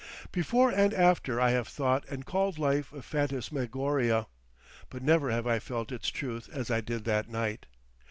Before and after I have thought and called life a phantasmagoria, but never have I felt its truth as I did that night....